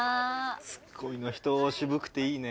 ツッコミの人渋くていいね。